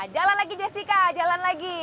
jalan lagi jessica jalan lagi